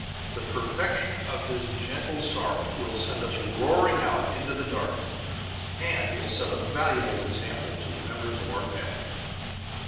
The perfection of his gentle sorrow will send us roaring out into the dark, and will set a valuable example to the members of our family.